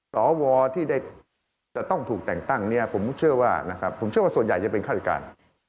สวที่จะต้องถูกแต่งตั้งผมเชื่อว่าส่วนใหญ่จะเป็นฆาติการ